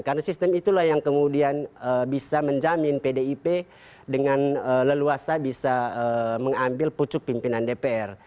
karena sistem itulah yang kemudian bisa menjamin pdip dengan leluasa bisa mengambil pucuk pimpinan dpr